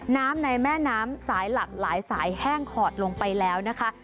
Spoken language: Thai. น้ำในแม่น้ำสายหลักหลายสายแห้งขอดลงไปแล้วนะคะ